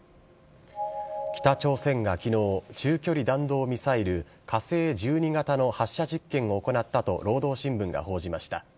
北朝鮮がきのう、中距離弾道ミサイル、火星１２型の発射実験を行ったと労働新聞が報じました。